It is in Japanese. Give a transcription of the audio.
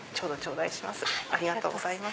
ありがとうございます。